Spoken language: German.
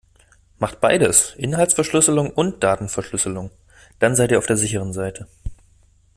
Macht beides, Inhaltsverschlüsselung und Datenverschlüsselung, dann seit ihr auf der sicheren Seite.